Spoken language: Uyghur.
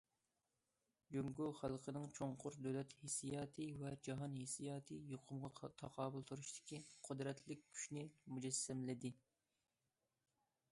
جۇڭگو خەلقىنىڭ چوڭقۇر دۆلەت ھېسسىياتى ۋە جاھان ھېسسىياتى يۇقۇمغا تاقابىل تۇرۇشتىكى قۇدرەتلىك كۈچنى مۇجەسسەملىدى.